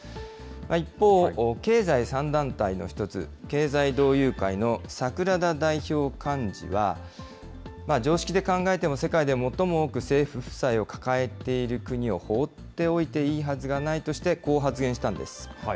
一方、経済３団体の１つ、経済同友会の櫻田代表幹事は、常識で考えても世界で最も多く政府負債を抱えている国を放っておいていいはずがないとして、こう発言したんです。